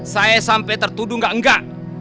saya sampai tertuduh enggak enggak